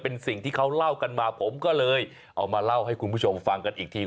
เป็นสิ่งที่เขาเล่ากันมาผมก็เลยเอามาเล่าให้คุณผู้ชมฟังกันอีกที